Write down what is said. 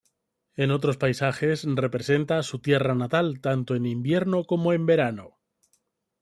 En otros paisajes representa a su tierra natal, tanto en invierno como en verano.